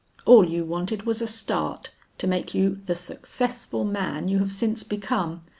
'All you wanted was a start, to make you the successful man you have since become.